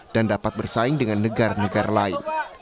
dan dapat bersaing dengan negara negara lain